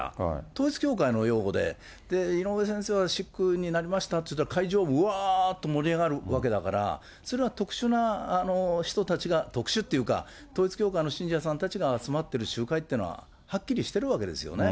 統一教会の用語で、井上先生はしっくになりましたって言ったら、会場、うわーっと盛り上がるわけだから、それは特殊な人たちが、特殊っていうか、統一教会の信者さんたちが集まってる集会というのは、はっきりしてるわけですよね。